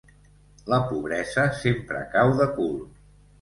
La pobresa sempre cau de cul.